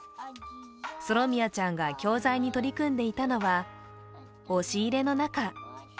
ソロミアちゃんが教材に取り組んでいたのは押し入れの中。